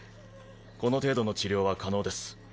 この程度の治療は可能です。